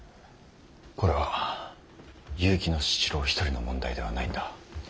これは結城七郎一人の問題ではないんだ。